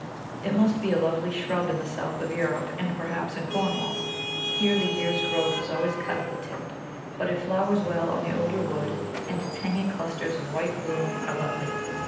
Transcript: It must be a lovely shrub in the south of Europe and perhaps in Cornwall; here the year's growth is always cut at the tip, but it flowers well on the older wood, and its hanging clusters of white bloom are lovely.